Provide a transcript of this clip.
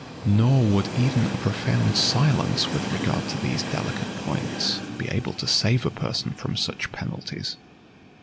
Nor would even a profound silence with regard to these delicate points be able to save a person from such penalties.